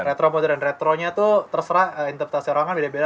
retro modern retronya itu terserah interpretasi orang kan beda beda